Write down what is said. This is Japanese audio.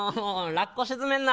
ラッコ沈めるな。